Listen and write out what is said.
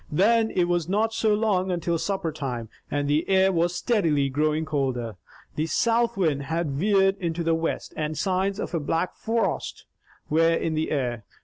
Then it was not so long until supper time, and the air was steadily growing colder. The south wind had veered to the west, and signs of a black frost were in the air.